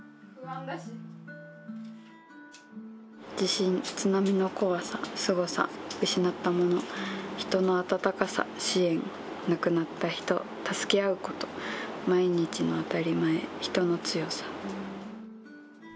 地震、津波の怖さ、すごさ、失ったもの、人の温かさ、支援、亡くなった人、助け合うこと、毎日の当たり前、人の強さ。